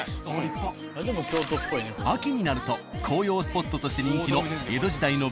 秋になると紅葉スポットとして人気の。